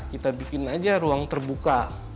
kita bikin aja ruang terbuka